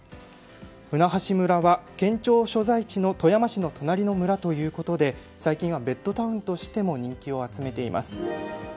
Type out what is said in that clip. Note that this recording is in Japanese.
舟橋村は、県庁所在地の富山市の隣の村ということで最近はベッドタウンとしても人気を集めています。